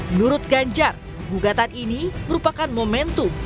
menurut ganjar gugatan ini merupakan momentum